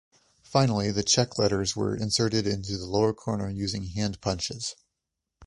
Finally the check letters were inserted into the lower corner using hand punches.